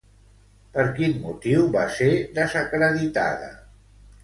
Per quin motiu va ser desacreditada?